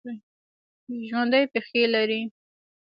ژوندي پښې لري